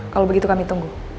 kalau begitu kami tunggu